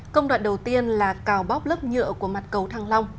công đoạn đầu tiên là cào bóc lớp nhựa của mặt cầu thăng long